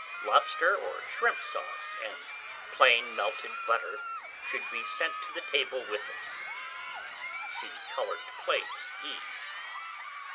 Lobster or shrimp sauce, and plain melted butter, should be sent to table with it. (See Coloured Plate E.)